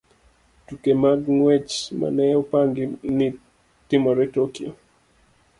Tuke mag ng'wech ma ne opangi ni timore Tokyo.